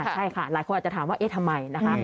ใช่ค่ะหลายคนอาจจะถามว่าเอ๊ะทำไมนะคะ